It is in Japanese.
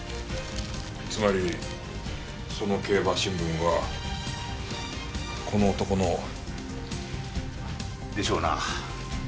つまりその競馬新聞はこの男の。でしょうな。